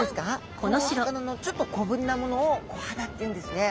このお魚のちょっと小ぶりなものをコハダっていうんですね。